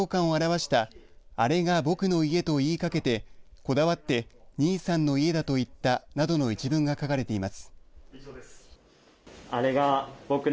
会場の斜陽館を表したあれが僕の家と言いかけてこだわって兄さんの家だと言った。などの１文が書かれています。